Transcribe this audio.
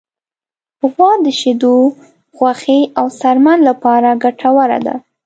غوا د شیدو، غوښې، او څرمن لپاره ګټوره ده.